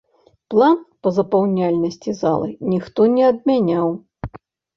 План па запаўняльнасці залы ніхто не адмяняў.